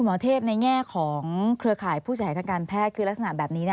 หมอเทพในแง่ของเครือข่ายผู้เสียหายทางการแพทย์คือลักษณะแบบนี้